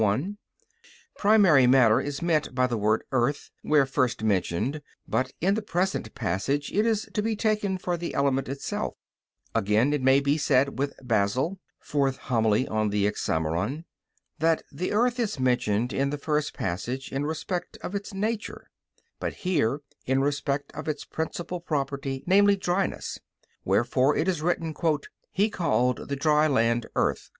i), primary matter is meant by the word earth, where first mentioned, but in the present passage it is to be taken for the element itself. Again it may be said with Basil (Hom. iv in Hexaem.), that the earth is mentioned in the first passage in respect of its nature, but here in respect of its principal property, namely, dryness. Wherefore it is written: "He called the dry land, Earth."